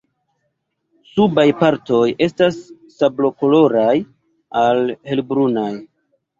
Subaj partoj estas sablokoloraj al helbrunaj.